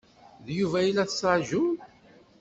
D Yuba i la tettṛaǧum?